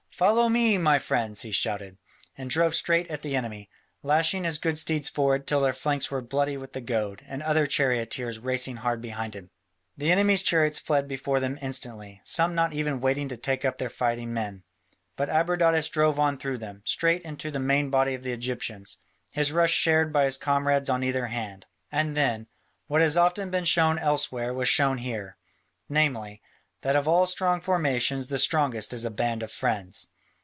"Follow me, my friends," he shouted, and drove straight at the enemy, lashing his good steeds forward till their flanks were bloody with the goad, the other charioteers racing hard behind him. The enemy's chariots fled before them instantly, some not even waiting to take up their fighting men. But Abradatas drove on through them, straight into the main body of the Egyptians, his rush shared by his comrades on either hand. And then, what has often been shown elsewhere was shown here, namely, that of all strong formations the strongest is a band of friends.